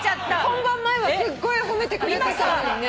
本番前はすっごい褒めてくれてたのにね。